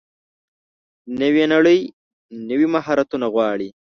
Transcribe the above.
نوې نړۍ نوي مهارتونه غواړي.